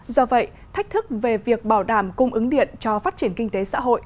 do vậy thách thức về việc bảo đảm cung ứng điện cho phát triển kinh tế xã hội